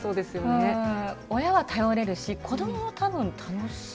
親は頼れるし子どもも多分楽しい。